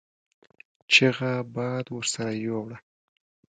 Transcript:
چيغه باد ورسره يو وړه.